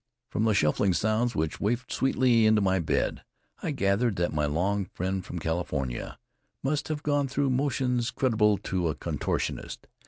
From the shuffling sounds which wafted sweetly into my bed, I gathered that my long friend from California must have gone through motions creditable to a contortionist.